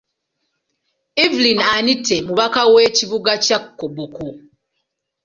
Evelyn Anite mubaka w'ekibuga kya Koboko.